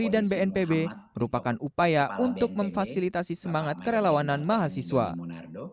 dan bnpb merupakan upaya untuk memfasilitasi semangat kerelawanan mahasiswa